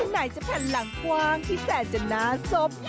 ไหนจะแผ่นหลังกว้างที่แสนจะหน้าศพ